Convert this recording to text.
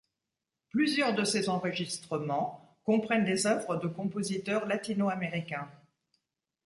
Plusieurs de ses enregistrements comprennent des œuvres de compositeurs latino-américains.